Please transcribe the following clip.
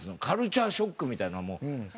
カルチャーショックみたいなもの